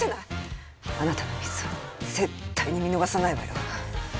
あなたのミスは絶対に見逃さないわよ。